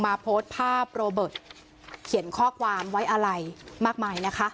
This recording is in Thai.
โพสต์ภาพโรเบิร์ตเขียนข้อความไว้อะไรมากมายนะคะ